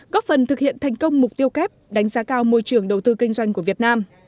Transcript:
góp phần thực hiện thành công mục tiêu kép đánh giá cao môi trường đầu tư kinh doanh của việt nam